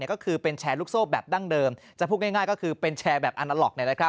ก็คือเป็นแชร์ลูกโซ่แบบดั้งเดิมจะพูดง่ายก็คือเป็นแชร์แบบอาณาล็อก